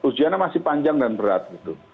ujiannya masih panjang dan berat gitu